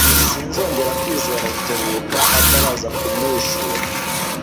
Sinzongera kwizera Rutebuka ataraza ku myishura.